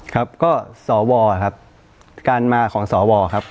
ครับก็สวครับการมาของสวครับ